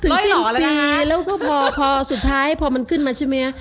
ถึงสิ้นปีแล้วก็พอสุดท้ายพอมันขึ้นมาใช่มั้ย